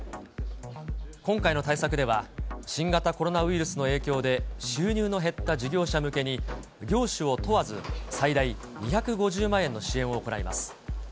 今回の対策では、新型コロナウイルスの影響で収入の減った事業者向けに、業種を問わず最大２５０万円の支援を行います。